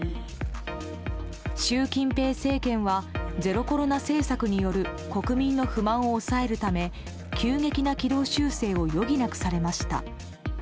習近平政権はゼロコロナ政策による国民の不満を抑えるため急激な軌道修正を余儀なくされました。